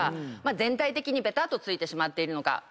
全体的にベタッと着いてしまっているのか。